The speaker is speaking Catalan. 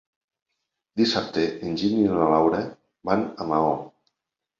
Dissabte en Gil i na Laura van a Maó.